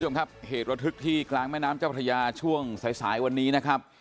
คุณผู้ชมครับเหตุระทึกที่กลางแม่น้ำเจ้าพระยาช่วงสายสายวันนี้นะครับ